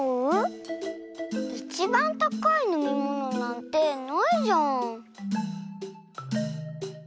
いちばんたかいのみものなんてないじゃん。